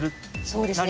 そうですね